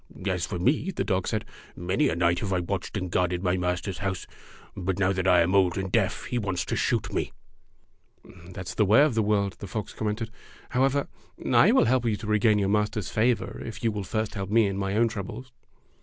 ''As for me," the dog said, "many a night have I watched and guarded my master's house, but now that I am old and deaf he wants to shoot me." 73 Fairy Tale Foxes "That's the way of the world," the fox commented. "However, I will help you to regain your master's favor if you will first help me in my own troubles."